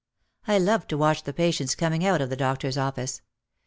I loved to watch the patients coming out of the doctor's office.